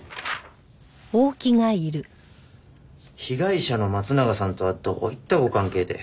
被害者の松永さんとはどういったご関係で？